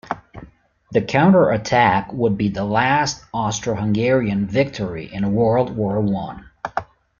The counterattack would be the last Austro-Hungarian victory in World War One.